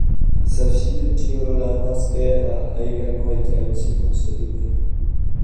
Sa fille, Girolama Spera, a également été active dans ce domaine.